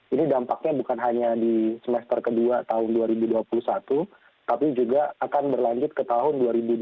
ini dampaknya bukan hanya di semester kedua tahun dua ribu dua puluh satu tapi juga akan berlanjut ke tahun dua ribu dua puluh